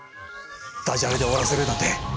ダジャレで終わらせるなんて。